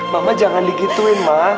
mama jangan digituin ma